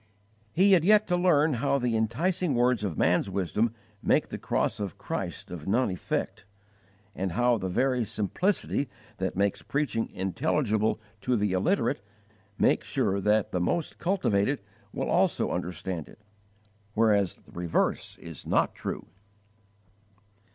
He had yet to learn how the enticing words of man's wisdom make the cross of Christ of none effect, and how the very simplicity that makes preaching intelligible to the illiterate makes sure that the most cultivated will also understand it, whereas the reverse is not true.